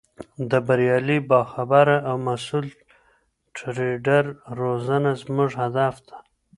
د بریالي، باخبره او مسؤل ټریډر روزنه، زموږ هدف ده!